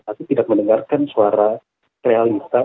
tetapi tidak mendengarkan suara realista